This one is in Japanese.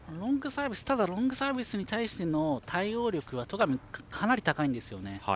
ロングサービスに対しての対応力は戸上、かなり高いんですよね。